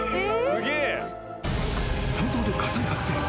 山荘で火災発生。